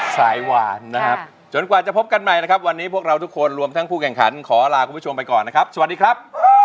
สายหวานนะครับจนกว่าจะพบกันใหม่นะครับวันนี้พวกเราทุกคนรวมทั้งผู้แข่งขันขอลาคุณผู้ชมไปก่อนนะครับสวัสดีครับ